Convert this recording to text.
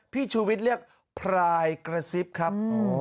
พี่ชุวิตเรียกพรายกระซิบครับ